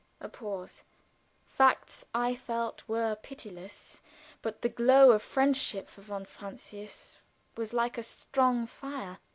A pause. Facts, I felt, were pitiless; but the glow of friendship for von Francius was like a strong fire.